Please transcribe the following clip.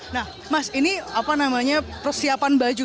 nah mas ini apa namanya persiapan baju